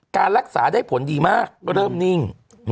การรักษาได้ผลดีมากเริ่มนิ่ง